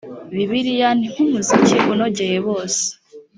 bibiliya ni nk’umuzika unogeye bose